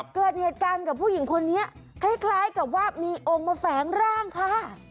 เกิดเหตุการณ์กับผู้หญิงคนนี้คล้ายกับว่ามีองค์มาแฝงร่างค่ะ